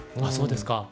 あっそうですか。